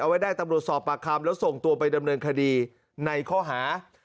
ไว้ได้ตำรวจสอบปากคำแล้วส่งตัวไปดำเนินคดีในข้อหา